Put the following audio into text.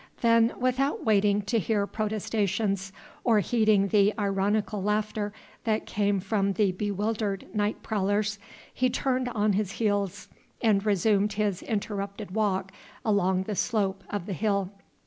Then, without waiting to hear protestations, or heeding the ironical laughter that came from the bewildered night prowlers, he turned on his heels and resumed his interrupted walk along the slope of the hill.